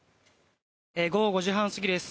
午後５時半過ぎです。